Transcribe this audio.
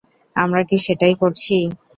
আমরা কি সেটাই করছি?